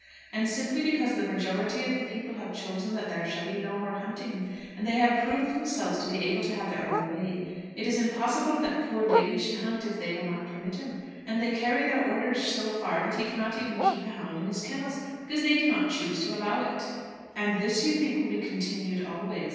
And simply because the majority of the people have chosen that there shall be no more hunting; and they have proved themselves to be able to have their own way. It is impossible that poor Daly should hunt if they will not permit him, and they carry their orders so far that he cannot even keep a hound in his kennels because they do not choose to allow it." "And this you think will be continued always?"